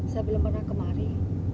saya belum pernah kemari